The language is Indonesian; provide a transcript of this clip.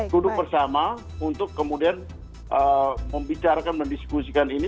sudah bersama untuk kemudian membicarakan dan diskusikan ini